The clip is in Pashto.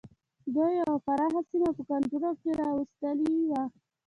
دوی یوه پراخه سیمه په کنټرول کې را وستلې وه.